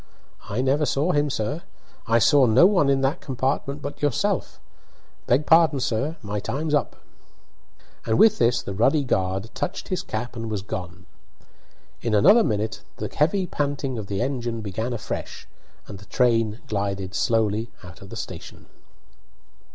"I never saw him, sir; I saw no one in that compartment but yourself. Beg pardon, sir; my time's up." And with this the ruddy guard touched his cap and was gone. In another minute the heavy panting of the engine began afresh, and the train glided slowly out of the station.